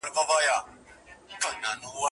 کرۍ شپه یې کړه خوله بنده زړه یې شین سو